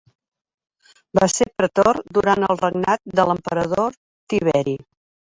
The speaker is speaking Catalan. Va ser pretor durant el regnat de l'emperador Tiberi.